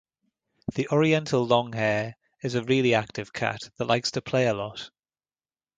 The oriental longhair is a really active cat that likes to play a lot.